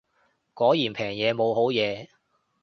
果然平嘢冇好嘢